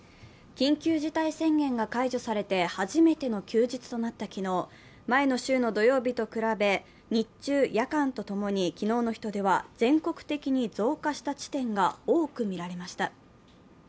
緊急事態宣言が解除されて初めての休日となった昨日、前の週の土曜日と比べ日中、夜間と共に昨日の人出は全国的に増加した地点が多くみられました。